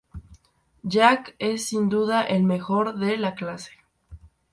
Jack es, sin duda, el mejor de la clase.